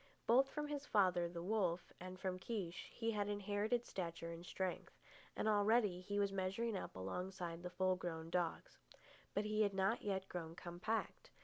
Both from his father, the wolf, and from Kiche, he had inherited stature and strength, and already he was measuring up alongside the full grown dogs. But he had not yet grown compact.